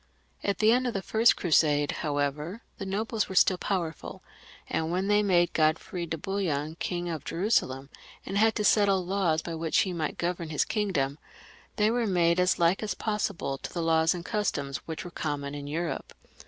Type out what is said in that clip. At the end of the first Crusade, however, the ngbles were still powerful, and when they made Godfrey de Bouillon King of Jerusalem, and had to settle laws by which he might govern his kingdom, they were made as like as possible to the laws and customs which were com mon in Europe.